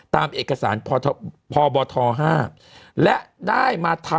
มันติดคุกออกไปออกมาได้สองเดือน